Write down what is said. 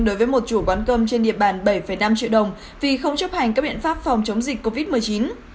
đối với một chủ quán cơm trên địa bàn bảy năm triệu đồng vì không chấp hành các biện pháp phòng chống dịch